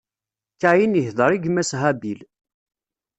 Kayin ihdeṛ i gma-s Habil.